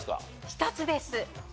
１つです。